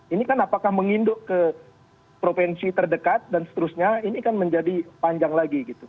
ini kan apakah menginduk ke provinsi terdekat dan seterusnya ini kan menjadi panjang lagi gitu